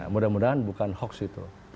mudah mudahan bukan hoax itu